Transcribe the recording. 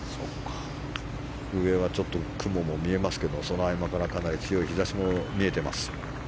上はちょっと雲も見えますけどその合間からかなり強い日差しも見えています。